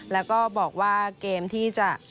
แล้วก็บอกว่าเกมที่จะ